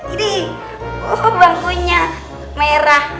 ini bangkunya merah